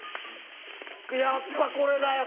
やっぱこれだよ！